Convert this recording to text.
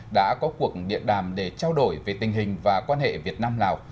đã có cuộc điện đàm để trao đổi về tình hình và quan hệ việt nam lào